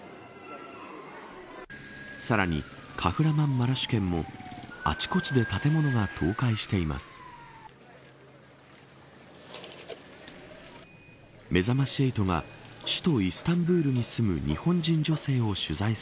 さらに、カフラマンマラシュ県もあちこちで建物が倒壊しています。